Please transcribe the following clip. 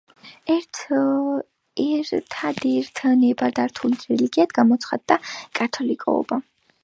ერთადერთ ნებადართულ რელიგიად გამოცხადდა კათოლიკობა.